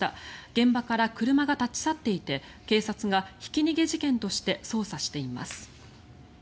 現場から車が立ち去っていて警察がひき逃げ事件として捜査しています。